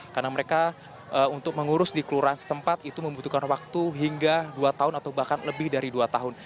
karena mereka untuk mengurus dikeluaran setempat itu membutuhkan waktu hingga dua tahun atau bahkan lebih dari dua tahun